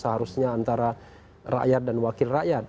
seharusnya antara rakyat dan wakil rakyat